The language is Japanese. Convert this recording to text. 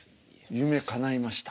夢かないました。